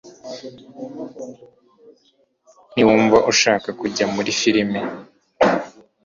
Ntiwumva ushaka kujya muri firime